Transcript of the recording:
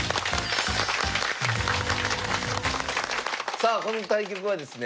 さあこの対局はですね